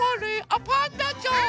あパンダちゃん！